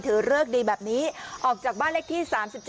เริกดีแบบนี้ออกจากบ้านเลขที่๓๗